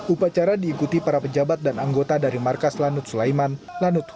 upacara diikuti para pejabat dan anggota dan perusahaan yang berpengalaman untuk melakukan upacara ini